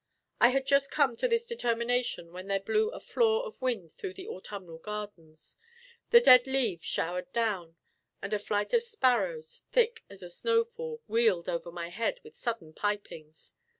I had just come to this determination, when there blew a flaw of wind through the autumnal gardens; the dead leaves showered down, and a flight of sparrows, thick as a snowfall, wheeled above my head with sudden pipings.